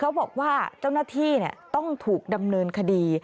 บอกว่าเจ้าหน้าที่ต้องถูกดำเนินคดี